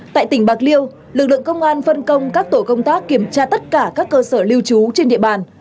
tại tỉnh bạc liêu lực lượng công an phân công các tổ công tác kiểm tra tất cả các cơ sở lưu trú trên địa bàn